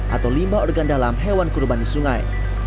atau lima organ dalam hewan kurban di sungai